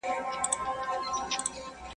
چي لا اوسي دلته قوم د جاهلانو ..